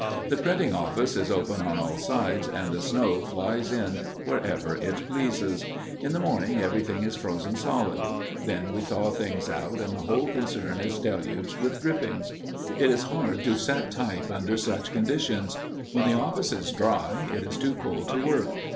The printing office is open on all sides, and the snow flies in wherever it pleases. In the morning everything is frozen solid. Then we thaw things out, and the whole concern is deluged with drippings. It is hard to set type under such conditions. When the office is dry, it is too cold to work.